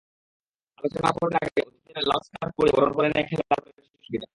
আলোচনা পর্বের আগে অতিথিদের লাল স্কার্ফ পরিয়ে বরণ করে নেয় খেলাঘরের শিশুশিল্পীরা।